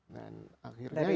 dan akhirnya ya memang